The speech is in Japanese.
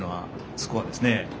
スコアですね。